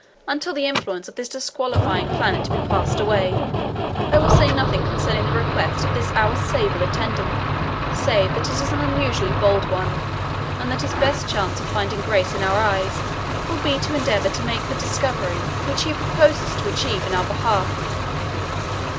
Until the influence of this disqualifying planet be passed away, I will say nothing concerning the request of this our sable attendant, save that it is an unusually bold one, and that his best chance of finding grace in our eyes will be to endeavour to make the discovery which he proposes to achieve in our behalf.